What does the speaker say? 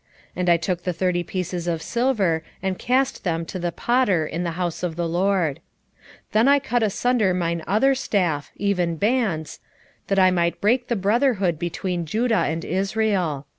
And I took the thirty pieces of silver, and cast them to the potter in the house of the LORD. 11:14 Then I cut asunder mine other staff, even Bands, that I might break the brotherhood between Judah and Israel.